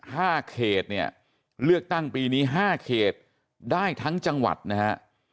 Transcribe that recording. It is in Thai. ห้าเขตเนี่ยเลือกตั้งปีนี้ห้าเขตได้ทั้งจังหวัดนะฮะ